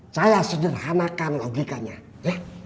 saya sederhanakan logikanya ya